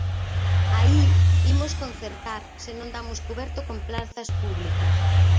Aí imos concertar se non damos cuberto con prazas públicas.